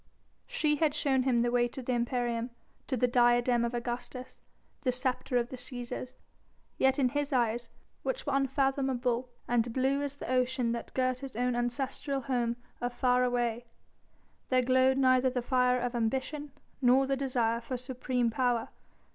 She had shown him the way to the imperium, to the diadem of Augustus, the sceptre of the Cæsars, yet in his eyes, which were unfathomable and blue as the ocean that girt his own ancestral home of far away, there glowed neither the fire of ambition, nor the desire for supreme power.